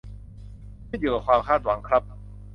ขึ้นอยู่กับความคาดหวังครับ